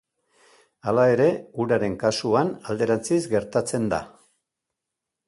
Hala ere uraren kasuan alderantziz gertatzen da.